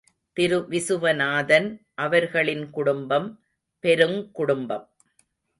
திரு விசுவநாதன் அவர்களின் குடும்பம் பெருங்குடும்பம்.